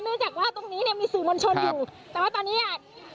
เนื่องจากว่าตรงนี้เนี่ยมีศูนย์มนต์ชนอยู่ครับแต่ว่าตอนนี้อ่ะ